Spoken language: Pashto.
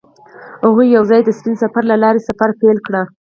هغوی یوځای د سپین سفر له لارې سفر پیل کړ.